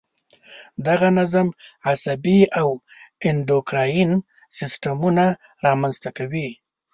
دغه نظم عصبي او انډوکراین سیستمونه را منځته کوي.